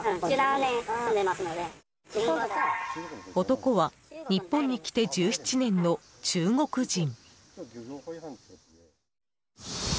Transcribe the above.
男は日本に来て１７年の中国人。